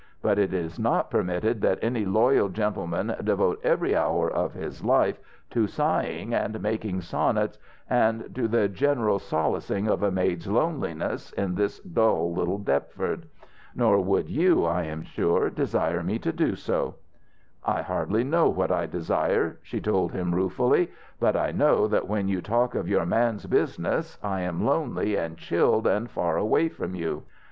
But it is not permitted that any loyal gentleman devote every hour of his life to sighing and making sonnets, and to the general solacing of a maid's loneliness in this dull little Deptford. Nor would you, I am sure, desire me to do so." "I hardly know what I desire," she told him ruefully. "But I know that when you talk of your man's business I am lonely and chilled and far away from you.